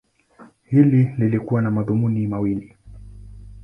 Hili lilikuwa na madhumuni mawili.